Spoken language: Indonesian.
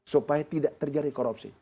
supaya tidak terjadi korupsi